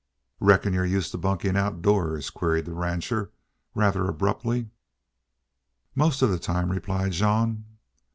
"Reckon you're used to bunkin' outdoors?" queried the rancher, rather abruptly. "Most of the time," replied Jean.